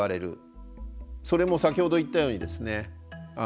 それも先ほど言ったようにですねほぼウソですね。